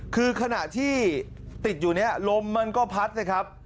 คือขณะที่ติดอยู่เนี่ยลมมันก็พัดนะครับ